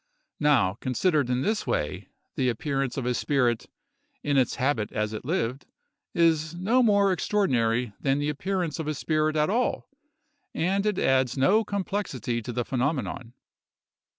Now, considered in this way, the appearance of a spirit "in its habit as it lived" is no more extraordinary than the appearance of a spirit at all, and it adds no complexity to the phenomenon.